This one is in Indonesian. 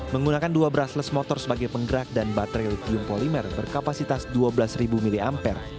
menggunakan dua brushless motor sebagai penggerak dan baterai lithium polymer berkapasitas dua belas mah